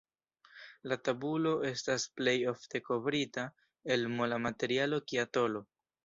La tabulo estas plej ofte kovrita el mola materialo kia tolo.